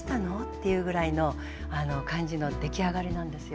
ていうぐらいの感じの出来上がりなんですよ。